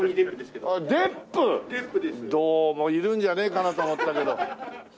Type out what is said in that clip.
どうもいるんじゃねえかなとは思ったけど。